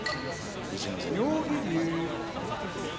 妙義龍